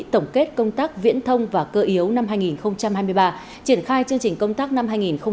tổng kết công tác viễn thông và cơ yếu năm hai nghìn hai mươi ba triển khai chương trình công tác năm hai nghìn hai mươi bốn